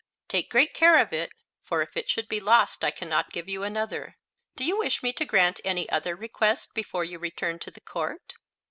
Take great care of it, for if it should be lost I can not give you another. Do you wish me to grant any other request before you return to the court?"